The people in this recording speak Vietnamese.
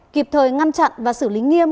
kịp thời ngăn chặn và xử lý nghiêm